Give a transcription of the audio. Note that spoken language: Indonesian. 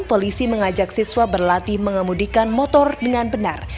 polisi mengajak siswa berlatih mengemudikan motor dengan benar